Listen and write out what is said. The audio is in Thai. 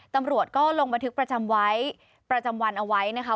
ตำรวจก็ลงบันทึกประจำไว้ประจำวันเอาไว้นะคะ